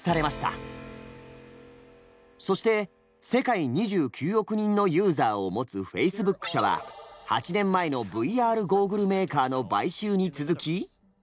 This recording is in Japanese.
そして世界２９億人のユーザーを持つフェイスブック社は８年前のＶＲゴーグルメーカーの買収に続き。